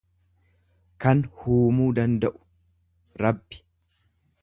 kan huumuu danda'u, Rabbi.